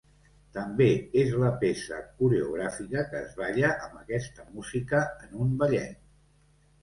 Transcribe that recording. També és la peça coreogràfica que es balla amb aquesta música en un ballet.